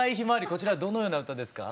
こちらどのような歌ですか？